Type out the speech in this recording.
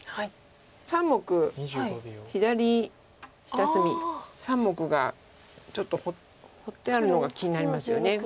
３目左下隅３目がちょっと放ってあるのが気になりますよね。